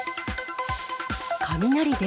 雷で？